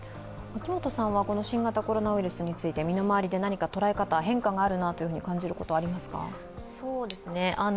新型コロナウイルスについて身の回りで捉え方変化があるなというふうに感じられることはありますか。